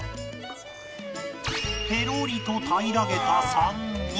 ペロリと平らげた３人